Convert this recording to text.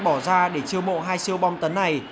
bỏ ra để chiêu mộ hai siêu bom tấn này